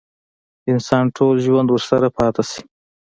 انسان ټول ژوند ورسره پاتې شي.